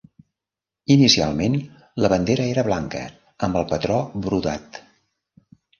Inicialment la bandera era blanca amb el patró brodat.